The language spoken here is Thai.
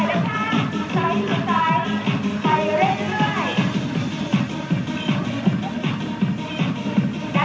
เดี๋ยวขึ้นไปเนี่ยเรายลมไว้ง่า